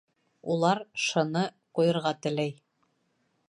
Улар Ш.-ны ҡуйырға теләй